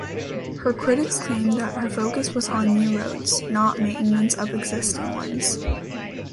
Her critics claim that her focus was on new roads-not maintenance of existing ones.